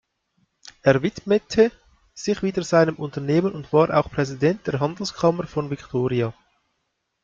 Er widmete sich wieder seinem Unternehmen und war auch Präsident der Handelskammer von Victoria.